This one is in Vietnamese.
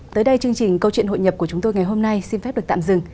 tới đây chương trình câu chuyện hội nhập của chúng tôi ngày hôm nay xin phép được tạm dừng